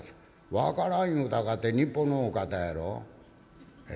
「分からん言うたかて日本のお方やろ？ええ？」。